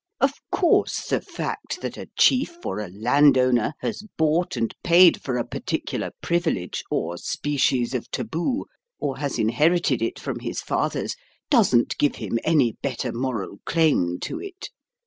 Of course, the fact that a chief or a landowner has bought and paid for a particular privilege or species of taboo, or has inherited it from his fathers, doesn't give him any better moral claim to it.